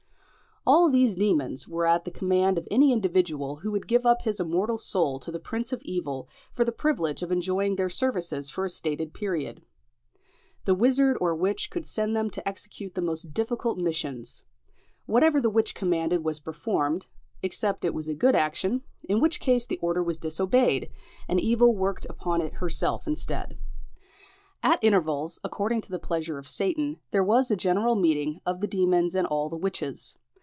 All these demons were at the command of any individual who would give up his immortal soul to the prince of evil for the privilege of enjoying their services for a stated period. The wizard or witch could send them to execute the most difficult missions: whatever the witch commanded was performed, except it was a good action, in which case the order was disobeyed, and evil worked upon herself instead. At intervals, according to the pleasure of Satan, there was a general meeting of the demons and all the witches.